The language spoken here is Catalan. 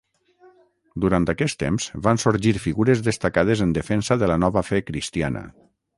Durant aquest temps van sorgir figures destacades en defensa de la nova fe cristiana.